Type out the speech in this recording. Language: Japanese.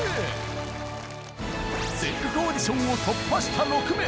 全国オーディションを突破した６名。